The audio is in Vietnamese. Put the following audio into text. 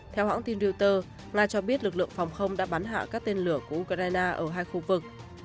theo hãng tin reuters nga cho biết lực lượng phòng không đã bắn hạ các tên lửa của ukraine ở hai khu vực